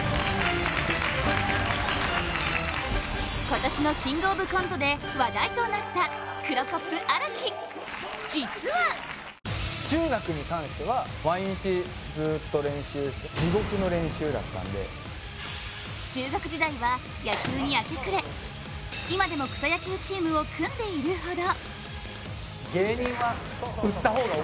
今年の「キングオブコント」で話題となったクロコップ・荒木、実は中学時代は野球に明け暮れ、今でも草野球チームを組んでいるほど。